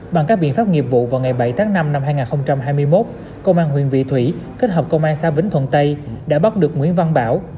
bằng các biện pháp nghiệp vụ vào ngày bảy tháng năm năm hai nghìn hai mươi một công an huyện vị thủy kết hợp công an xã vĩnh thuận tây đã bắt được nguyễn văn bảo